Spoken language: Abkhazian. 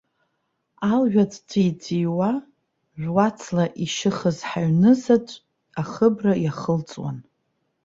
Алҩаҵә ҵәии-ҵәииуа жәуацла ишьыхыз ҳаҩнызаҵә ахыбра иахылҵуан.